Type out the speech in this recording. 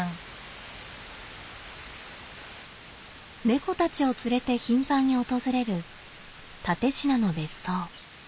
猫たちを連れて頻繁に訪れる蓼科の別荘。